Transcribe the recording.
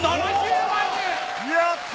やった！